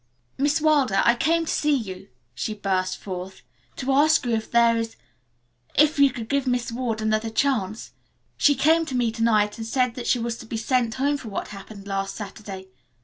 "Miss Wilder, I came to see you," she burst forth, "to ask you if there is if you could give Miss Ward another chance. She came to me to night and said that she was to be sent home for what happened last Saturday.